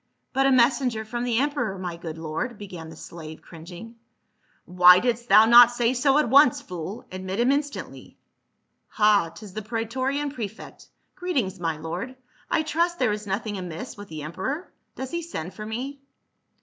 " But a messenger from the emperor, my good lord," began the slave cringing, *' Why didst thou not say so at once, fool. Admit him instantly. Ha, 'tis the praetorian prefect. Greet ings, my lord ; I trust there is nothing amiss with the emperor ; does he send for me